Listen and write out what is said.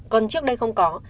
còn trước đây không có